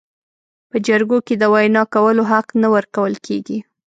په جرګو کې د وینا کولو حق نه ورکول کیږي.